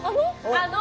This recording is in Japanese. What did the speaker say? あの！